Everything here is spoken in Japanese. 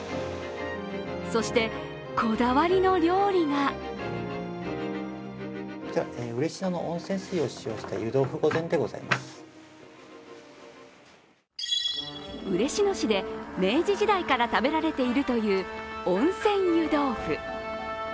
そして、こだわりの料理が嬉野市で明治時代から食べられているという温泉湯豆腐。